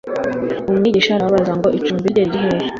umwigisha arababaza ngo icumbi rye riri hehe